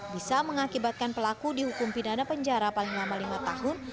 bisa mengakibatkan pelaku dihukum pidana penjara paling lama lima tahun